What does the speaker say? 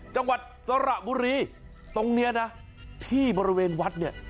จังหวัดสระบุรีตรงนี้นะที่บริเวณวัดเนี่ย